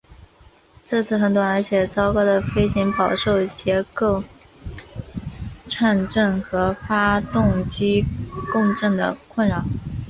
这次很短而且糟糕的飞行饱受结构颤振和发动机共振的困扰。